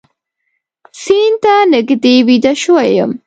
سیند ته نږدې ویده شوی یم